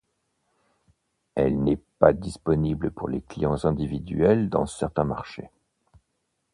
Elle n'est pas disponible pour les clients individuels dans certains marchés.